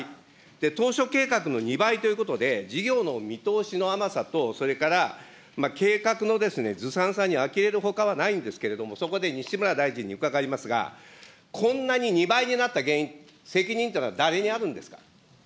当初計画の２倍ということで、事業の見通しの甘さと、それから、計画のずさんさに、あきれるほかはないんですけれども、そこで西村大臣に伺いますが、こんなに２倍になった原因、責任というのは誰にあるんですか。